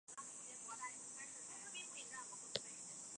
紫果蔺为莎草科荸荠属的植物。